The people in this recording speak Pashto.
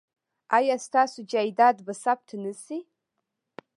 ایا ستاسو جایداد به ثبت نه شي؟